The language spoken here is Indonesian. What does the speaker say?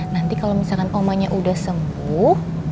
nanti kalau misalkan omanya udah sembuh